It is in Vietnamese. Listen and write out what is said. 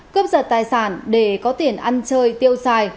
cướp giật tài sản để có tiền ăn chơi tiêu xài